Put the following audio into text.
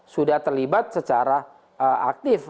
sudah terlibat secara aktif